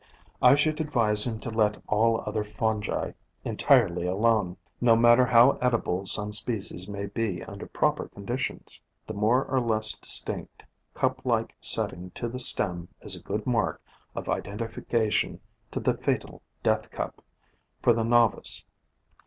I should advise him to let all other fungi entirely POISONOUS PLANTS 173 alone, no matter how edible some species may be under proper conditions. The more or less distinct cup like setting to the stem is a good mark of identification to the fatal Death Cup, for the nov ice.